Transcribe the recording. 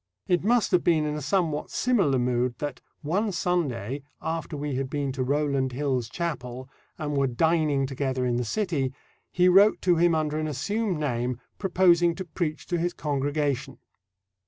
It must have been in a somewhat similar mood that "one Sunday after we had been to Rowland Hill's chapel, and were dining together in the city, he wrote to him under an assumed name, proposing to preach to his congregation."